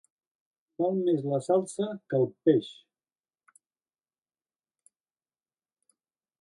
Val més la salsa que el peix.